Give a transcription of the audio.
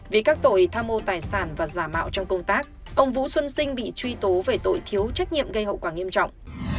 vì các tội tham mô tài sản và giả mạo trong công tác ông vũ xuân sinh bị truy tố về tội thiếu trách nhiệm gây hậu quả nghiêm trọng